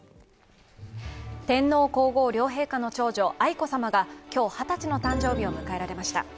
天皇皇后両陛下の長女、愛子さまが今日、二十歳の誕生日を迎えられました。